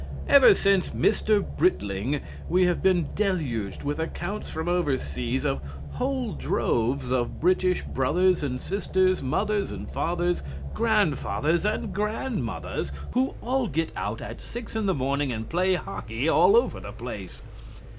Ever since "Mr. Britling" we have been deluged with accounts from overseas of whole droves of British brothers and sisters, mothers and fathers, grandfathers and grandmothers, who all get out at six in the morning and play hockey all over the place.